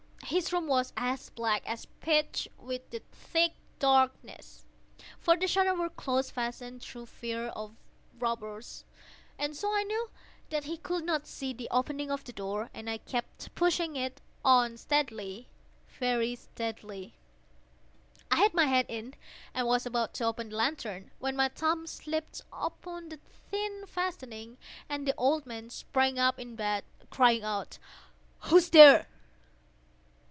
His room was as black as pitch with the thick darkness, (for the shutters were close fastened, through fear of robbers,) and so I knew that he could not see the opening of the door, and I kept pushing it on steadily, steadily. I had my head in, and was about to open the lantern, when my thumb slipped upon the tin fastening, and the old man sprang up in bed, crying out—"Who's there?"